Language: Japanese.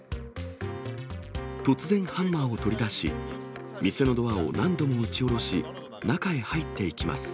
突然ハンマーを取り出し、店のドアを何度も打ち下ろし、中へ入っていきます。